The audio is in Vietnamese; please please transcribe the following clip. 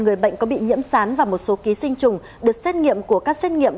người bệnh có bị nhiễm sán và một số ký sinh trùng được xét nghiệm của các xét nghiệm